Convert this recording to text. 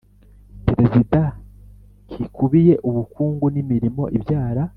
Perezida kikubiye ubukungu n imirimo ibyara